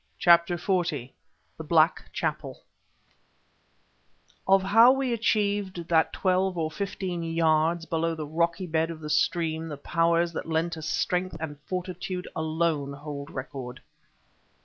CHAPTER XL THE BLACK CHAPEL Of how we achieved that twelve or fifteen yards below the rocky bed of the stream the Powers that lent us strength and fortitude alone hold record.